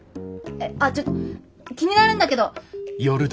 えっちょっと気になるんだけど。